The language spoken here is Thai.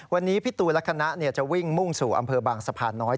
วันนี้พี่ตูนและคณะจะวิ่งมุ่งสู่อำเภอบางสะพานน้อย